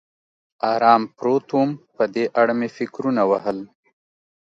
ارام پروت ووم، په دې اړه مې فکرونه وهل.